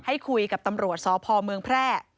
ให้คุยกับตำรวจสพเมืองแพร่